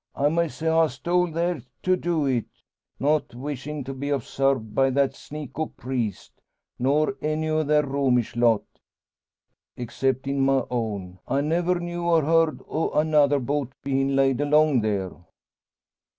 I may say I stole there to do it; not wishin' to be obsarved by that sneak o' a priest, nor any o' their Romish lot. Exceptin' my own, I never knew or heard o' another boat bein' laid along there."